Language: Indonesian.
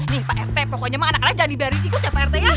nih pak rt pokoknya emang anak anak jangan dibaring ikut ya pak rt nya